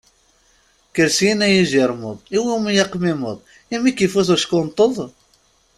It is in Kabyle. Kker syin a yijiṛmeḍ, iwumi aqmimmeḍ, imi k-ifut uckenṭeḍ?